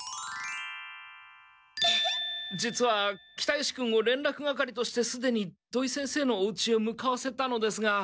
実は北石君を連絡係としてすでに土井先生のおうちへ向かわせたのですが。